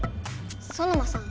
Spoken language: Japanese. ソノマさん。